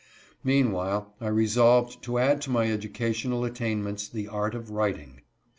Meanwhile I resolved to add to my educational attainments the art of writing.